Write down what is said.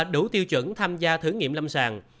đủ tiêu chuẩn tham gia thử nghiệm lâm sàng